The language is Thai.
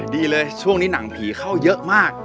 ดีเลยช่วงนี้หนังผีเข้าเยอะมาก